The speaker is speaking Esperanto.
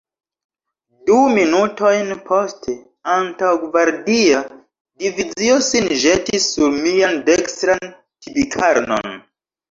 Du minutojn poste, antaŭgvardia divizio sin ĵetis sur mian dekstran tibikarnon.